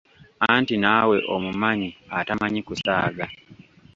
Anti naawe omumanyi atamanyi kusaaga!